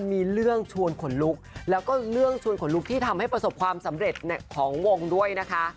มีเรื่องชวนขนลุกแล้วก็เรื่องชวนขนลุกที่ทำให้ประสบความสำเร็จของวงด้วยนะคะ